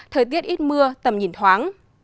thời tiết ít mưa tầm nhìn thoáng